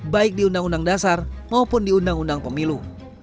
baik di undang undang dasar maupun di undang undang pemilu